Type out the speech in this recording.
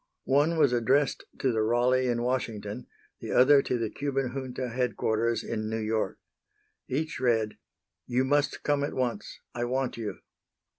One was addressed to the Raleigh in Washington, the other to the Cuban junta headquarters in New York. Each read: "You must come at once. I want you."